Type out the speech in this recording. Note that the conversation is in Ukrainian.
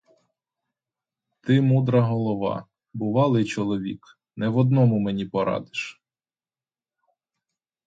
Ти мудра голова, бувалий чоловік — не в одному мені порадиш.